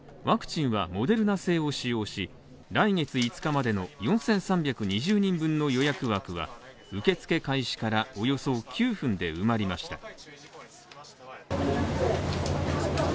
ワクチンはモデルナ製を使用し、来月５日までの４３２０人分の予約枠は受け付け開始からおよそ９分で埋まりました。